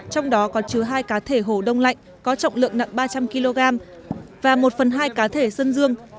trong đó còn chứa hai cá thể hồ đông lạnh có trọng lượng nặng ba trăm linh kg và một phần hai cá thể sân dương